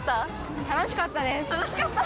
楽しかった？